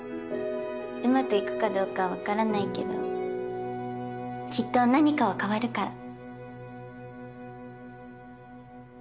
うまくいくかどうか分からないけどきっと何かは変わるから。